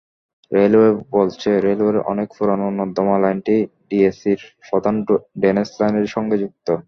Railway বলছে, রেলওয়ের অনেক পুরোনো নর্দমা লাইনটি ডিএসসিসির প্রধান ড্রেনেজ লাইনের সঙ্গে যুক্ত।